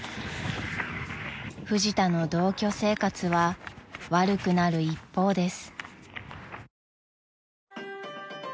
［フジタの同居生活は悪くなる一方です］